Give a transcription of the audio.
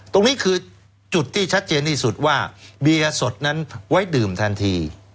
ตรงนี้คือจุดที่ชัดเจนที่สุดว่าเบียร์สดนั้นไว้ดื่มทันที